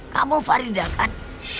kamu faridah kan